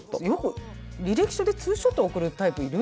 履歴書でツーショット送るタイプいる？